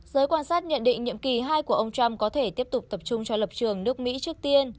giới quan sát nhận định nhiệm kỳ hai của ông trump có thể tiếp tục tập trung cho lập trường nước mỹ trước tiên